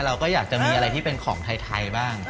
เราก็อยากจะมีอะไรที่เป็นของไทยบ้าง